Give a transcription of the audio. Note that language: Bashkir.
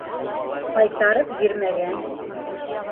Ҡайтарып бирмәгән.